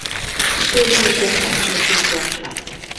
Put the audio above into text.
勢力伸展至地中海